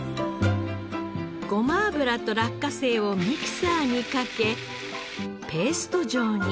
ごま油と落花生をミキサーにかけペースト状に。